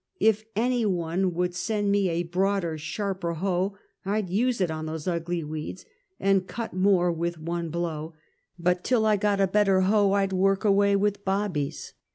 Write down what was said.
If any one would send me a broader, sharper hoe, I'd use it on those uglv weeds and cut more with one blow; but till I got a better hoe, I'd work away with Bob bie's.